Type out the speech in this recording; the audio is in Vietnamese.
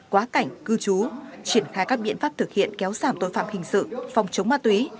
quá cảnh cư trú triển khai các biện pháp thực hiện kéo giảm tội phạm hình sự phòng chống ma túy